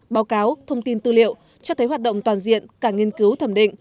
báo cáo thông tin tư liệu cho thấy hoạt động toàn diện cả nghiên cứu thẩm định